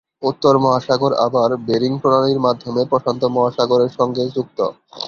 উত্তর মহাসাগর আবার বেরিং প্রণালীর মাধ্যমে প্রশান্ত মহাসাগরের সঙ্গে যুক্ত।